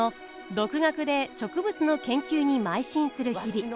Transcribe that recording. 独学で植物の研究にまい進する日々。